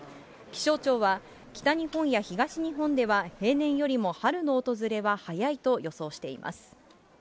気象庁は、北日本や東日本では、平年よりも春の訪れは早いと予想しています。